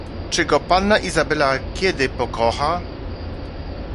"czy go panna Izabela kiedy pokocha?..."